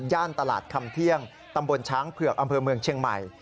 ตลาดคำเที่ยงตำบลช้างเผือกอำเภอเมืองเชียงใหม่